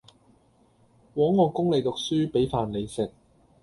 枉我供你讀書，俾飯你食